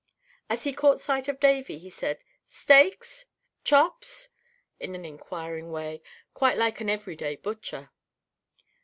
As he caught sight of Davy he said, "Steaks? Chops?" in an inquiring way, quite like an every day butcher.